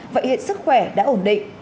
vậy hiện sức khỏe đã ổn định